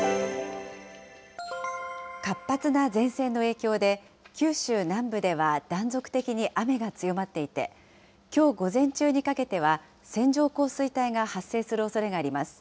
活発な前線の影響で、九州南部では断続的に雨が強まっていて、きょう午前中にかけては、線状降水帯が発生するおそれがあります。